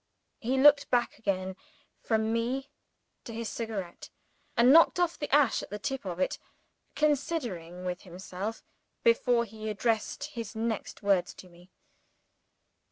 He looked back again from me to his cigar, and knocked off the ash at the tip of it (considering with himself) before he addressed his next words to me.